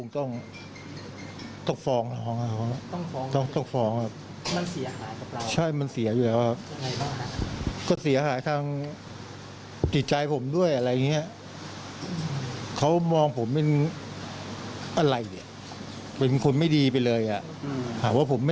แต่ที่นั้นเขาช่วยได้ไงเพราะว่ามันไม่ใช่คนไปเกาะไม้